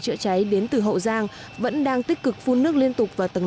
trựa cháy đến từ hậu giang vẫn đang tích cực phun nước liên tục vào tầng năm